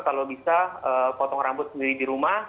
kalau bisa potong rambut sendiri di rumah